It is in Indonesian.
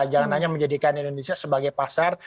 jangan hanya menjadikan indonesia sebagai pasar